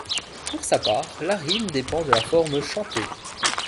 Pour sa part, la rime dépend de la forme chantée.